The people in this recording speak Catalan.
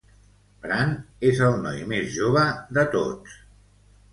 Bran és el noi més jove de tots.